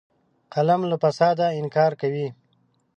قلم له فساده انکار کوي